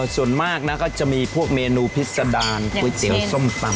ส่วนมากนะก็จะมีพวกเมนูพิษดารก๋วยเตี๋ยวส้มตำ